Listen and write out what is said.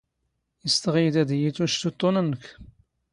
ⵉⵙ ⵜⵖⵉⵢⴷ ⴰⴷ ⵉⵢⵉ ⵜⵓⵛⴷ ⵓⵟⵟⵓⵏ ⵏⵏⴽ?